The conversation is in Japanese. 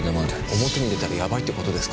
表に出たらやばいということですか？